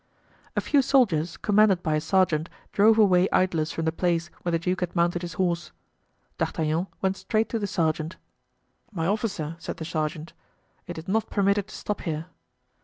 A few soldiers, commanded by a sergeant, drove away idlers from the place where the duke had mounted his horse. D'Artagnan went straight to the sergeant. "My officer," said the sergeant, "it is not permitted to stop here."